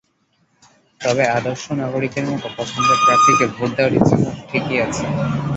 তবে, আদর্শ নাগরিকের মতো পছন্দের প্রার্থীকে ভোট দেওয়ার ইচ্ছা আমার ঠিকই আছে।